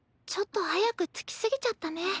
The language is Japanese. ちょっと早く着き過ぎちゃったね。